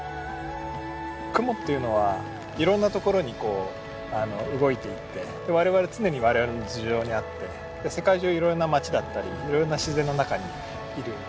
雲っていうのはいろんなところに動いていって常に我々の頭上にあって世界中いろいろな町だったりいろいろな自然の中にいる。